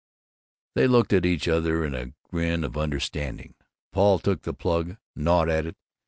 They looked at each other in a grin of understanding. Paul took the plug, gnawed at it.